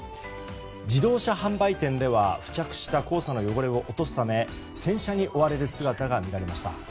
自動車販売店では付着した黄砂の汚れを落とすため洗車に追われる姿が見られました。